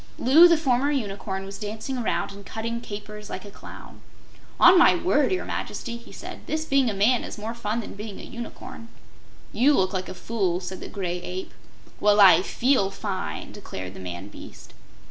Loo the former Unicorn was dancing around and cutting capers like a clown. "On my word, your Majesty," he said, "this being a man is more fun than being a Unicorn." "You look like a fool," said the Gray Ape. "Well, I FEEL fine!" declared the man beast.